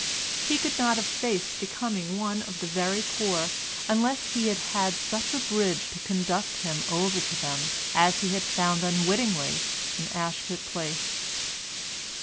He could not have faced becoming one of the very poor unless he had had such a bridge to conduct him over to them as he had found unwittingly in Ashpit Place.